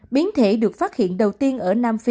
biến thể được phát hiện đầu tiên ở nam phi